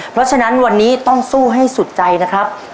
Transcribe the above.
เพราะฉะนั้นวันนี้ต้องสู้ให้สุดใจนะครับ